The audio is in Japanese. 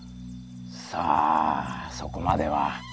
さあそこまでは。